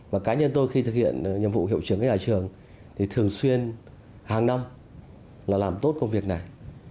và cá nhân tôi khi thực hiện nhiệm vụ hiệu trưởng nhà trường thì thường xuyên hàng năm là làm tốt công việc này